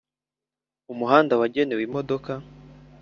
iumuhanda wagenewe imodoka